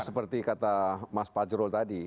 seperti kata mas fajrul tadi